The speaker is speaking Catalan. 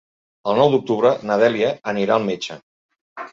El nou d'octubre na Dèlia anirà al metge.